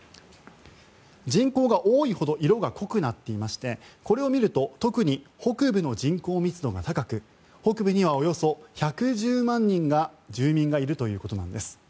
人口が多いほど色が濃くなっていましてこれを見ると特に北部の人口密度が高く北部にはおよそ１１０万人の住民がいるということです。